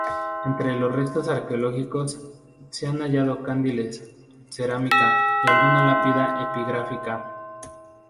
Entre los restos arqueológicos se han hallado candiles, cerámica y alguna lápida epigráfica.